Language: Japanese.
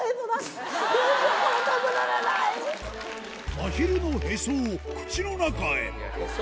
まひるのヘソを口の中へいや「ヘソ」